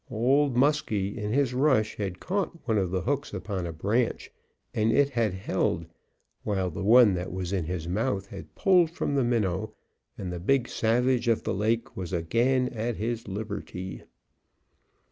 Old Muskie in his rush had caught one of the hooks upon a branch and it had held, while the one that was in his mouth had pulled from the minnow, and the big savage of the lake was again at liberty.